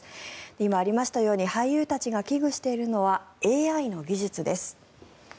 今、ありましたように俳優たちが危惧しているのはＡＩの技術です。